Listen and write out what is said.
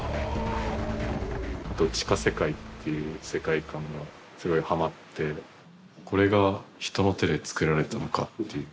あと地下世界っていう世界観がすごいはまってこれが人の手で作られたのかっていう。